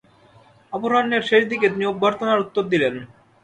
অপরাহ্নের শেষদিকে তিনি অভ্যর্থনার উত্তর দিলেন।